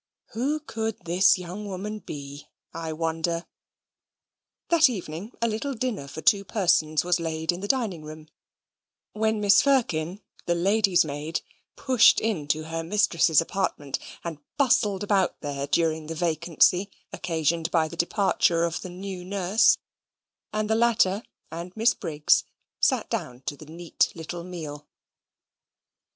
Who could this young woman be, I wonder? That evening a little dinner for two persons was laid in the dining room when Mrs. Firkin, the lady's maid, pushed into her mistress's apartment, and bustled about there during the vacancy occasioned by the departure of the new nurse and the latter and Miss Briggs sat down to the neat little meal.